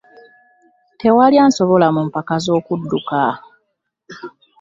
Tewali ansobola mu mpaka z'okuduka.